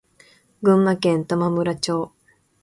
群馬県玉村町